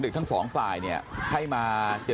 เฮ้ยเฮ้ยเฮ้ยเฮ้ยเฮ้ยเฮ้ยเฮ้ย